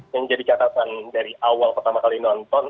yang jadi catatan dari awal pertama kali nonton